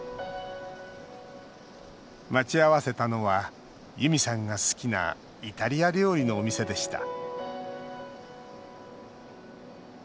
待ち合わせたのはユミさんが好きなイタリア料理のお店でした。